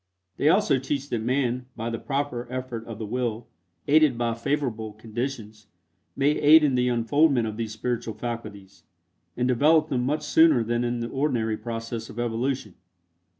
They also teach that man, by the proper effort of the will, aided by favorable conditions, may aid in the unfoldment of these spiritual faculties, and develop them much sooner than in the ordinary process of evolution.